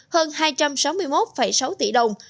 hơn hai trăm linh triệu đồng